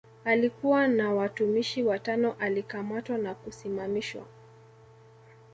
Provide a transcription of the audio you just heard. Alikuwa na watumishi watano alikamatwa na kusimamishwa